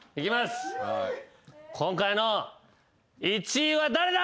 今回の１位は誰だ！？